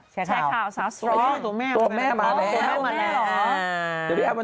ใช่ค่ะสาวสตรอง